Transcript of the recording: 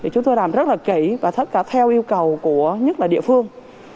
chúng tôi làm rất là kỹ và theo yêu cầu của nhất là địa phương